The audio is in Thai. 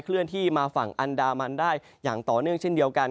เลื่อนที่มาฝั่งอันดามันได้อย่างต่อเนื่องเช่นเดียวกัน